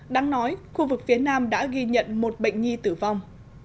đáng nói khu vực phía nam đã ghi nhận một bệnh nhi tử vong